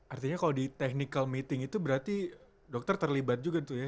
artinya kalau di technical meeting itu berarti dokter terlibat juga tuh ya